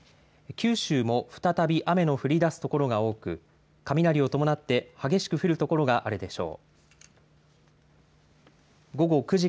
九州も再び雨の降りだす所が多く、雷を伴って激しく降る所があるでしょう。